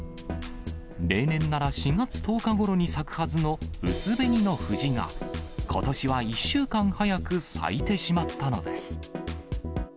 例年なら、４月１０日ごろに咲くはずのうす紅の藤が、ことしは１週間早く咲いてしまったのです。